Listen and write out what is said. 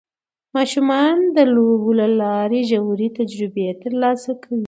ماشومان د لوبو له لارې ژورې تجربې ترلاسه کوي